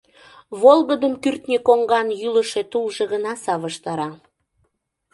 Волгыдым кӱртньӧ коҥган йӱлышӧ тулжо гына савыштара.